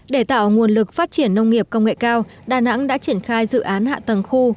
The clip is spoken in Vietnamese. để tạo nguồn lực phát triển nông nghiệp công nghệ cao đà nẵng đã triển khai dự án hạ tầng khu